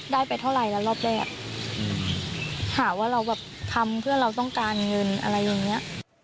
ไปเท่าไรแล้วรอบแรกหาว่าเราแบบทำเพื่อเราต้องการเงินอะไรอย่างนี้